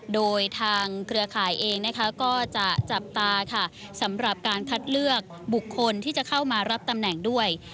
โดยทางเครือข่ายเองนะคะก็จะจับตาค่ะสำหรับการคัดเลือกบุคคลที่จะเข้ามารับตำแหน่งด้วย